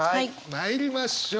まいりましょう。